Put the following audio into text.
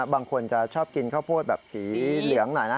บางคนจะชอบกินข้าวโพดแบบสีเหลืองหน่อยนะ